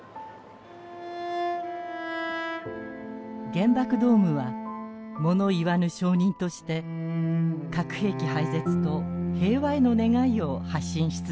原爆ドームは物言わぬ証人として核兵器廃絶と平和への願いを発信し続けています。